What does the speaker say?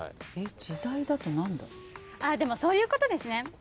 あっでもそういうことですね。